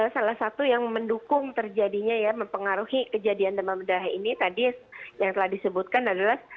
salah satu yang mendukung terjadinya ya mempengaruhi kejadian demam bedah ini tadi yang telah disebutkan adalah